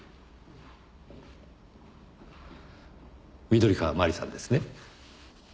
緑川万里さんですね？